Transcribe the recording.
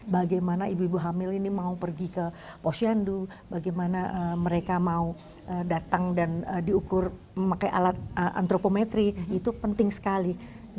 bagaimana ibu ibu hamil ini mau pergi ke posyandu bagaimana mereka mau datang dan diukur memakai alat antropometri itu penting sekali